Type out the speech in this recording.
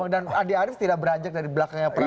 dan andy arief tidak beranjak dari belakangnya perang